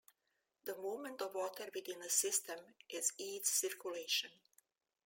The movement of water within a system is its circulation.